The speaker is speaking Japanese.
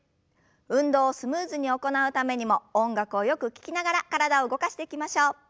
運動をスムーズに行うためにも音楽をよく聞きながら体を動かしていきましょう。